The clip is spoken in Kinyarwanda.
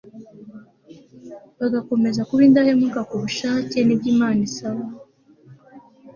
bagakomeza kuba indahemuka ku bushake n'ibyo imana isaba